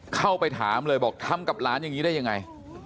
เข้าไปถามเลยบอกทำกับหลานอย่างนี้ได้ยังไง